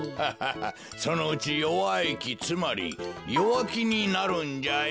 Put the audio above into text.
そのうち弱い木つまり弱木になるんじゃよ。